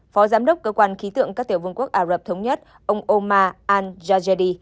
phó giám đốc cơ quan khí tượng các tiểu vương quốc ả rập thống nhất ông omar al jajadi